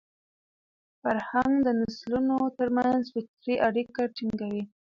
فرهنګ د نسلونو تر منځ فکري اړیکه ټینګوي.